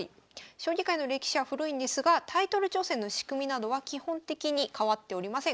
将棋界の歴史は古いんですがタイトル挑戦の仕組みなどは基本的に変わっておりません。